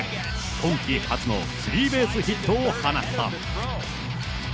今季初のスリーベースヒットを放った。